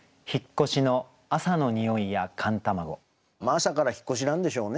朝から引越しなんでしょうね。